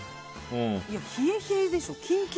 冷え冷えでしょ。